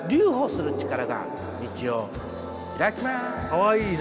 かわいいな。